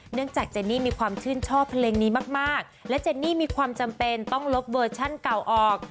จากเจนนี่มีความชื่นชอบเพลงนี้มากมากและเจนนี่มีความจำเป็นต้องลบเวอร์ชั่นเก่าออก